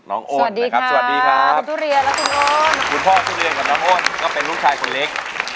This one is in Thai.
น้องโอดนะครับคุณทุเรียนและคุณโอดคุณพ่อทุเรียนกับน้องโอดก็เป็นลูกชายคนเล็ก